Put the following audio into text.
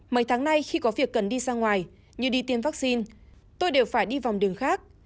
mấy tháng nay khi có việc cần đi ra ngoài như đi tiêm vaccine tôi đều phải đi vòng đường khác